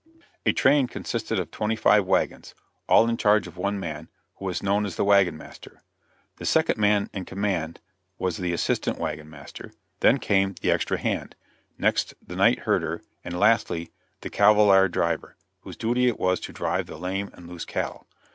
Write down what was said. A train consisted of twenty five wagons, all in charge of one man, who was known as the wagon master. The second man in command was the assistant wagon master; then came the "extra hand," next the night herder; and lastly, the cavallard driver, whose duty it was to drive the lame and loose cattle.